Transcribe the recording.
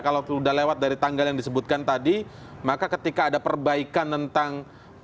kalau sudah lewat dari tanggal yang disebutkan tadi maka ketika ada perbaikan tentang